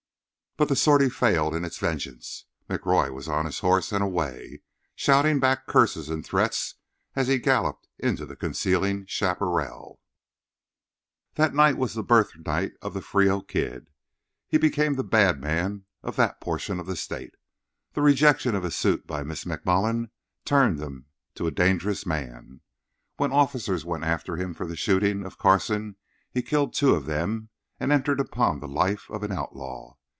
But the sortie failed in its vengeance. McRoy was on his horse and away, shouting back curses and threats as he galloped into the concealing chaparral. That night was the birthnight of the Frio Kid. He became the "bad man" of that portion of the State. The rejection of his suit by Miss McMullen turned him to a dangerous man. When officers went after him for the shooting of Carson, he killed two of them, and entered upon the life of an outlaw.